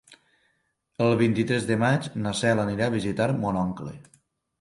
El vint-i-tres de maig na Cel anirà a visitar mon oncle.